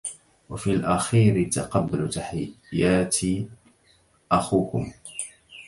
وفي الأخيـر تقبلوا تحيآت أخـوكم